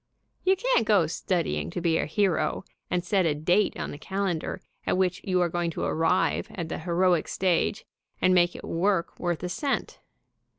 You can't go studying to be a hero and set a date on the calen dar at which you are going to arrive at the heroic stage and make it work worth a cent.